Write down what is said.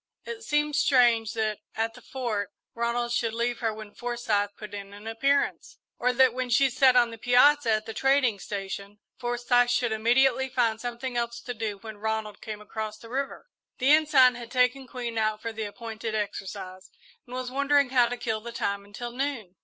It seemed strange that, at the Fort, Ronald should leave her when Forsyth put in an appearance; or that when she sat on the piazza at the trading station, Forsyth should immediately find something else to do when Ronald came across the river. The Ensign had taken Queen out for the appointed exercise and was wondering how to kill the time until noon.